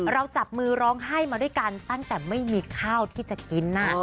จับมือร้องไห้มาด้วยกันตั้งแต่ไม่มีข้าวที่จะกิน